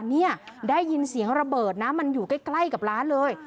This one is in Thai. เนี่ยได้ยินเสียงระเบิดนะมันอยู่ใกล้กับร้านเลย